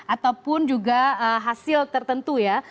ataupun juga hasil tertentu ya